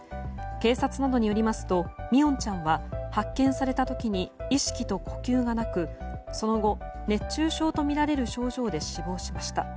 警察などによりますと三櫻音ちゃんは発見された時に意識と呼吸がなくその後熱中症とみられる症状で死亡しました。